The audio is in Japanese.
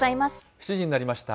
７時になりました。